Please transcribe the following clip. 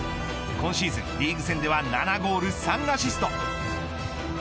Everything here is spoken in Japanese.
今シーズン、リーグ戦では７ゴール３アシスト。